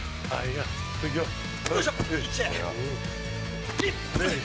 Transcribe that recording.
よいしょ。